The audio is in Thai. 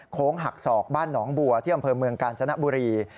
หักศอกบ้านหนองบัวที่อำเภอเมืองกาญจนบุรี